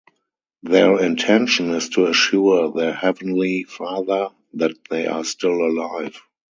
Their intention is to assure their heavenly father that they are still alive.